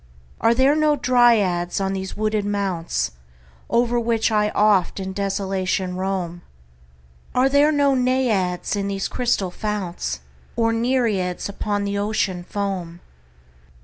Are there no Dryads on these wooded mounts O'er which I oft in desolation roam? Are there no Naiads in these crystal founts? Nor Nereids upon the Ocean foam?